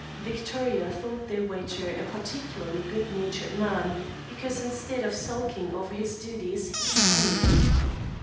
Victoria thought their waiter a particularly good natured man, because instead of sulking over his duties he beamed.